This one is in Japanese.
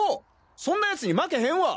そんな奴に負けへんわ！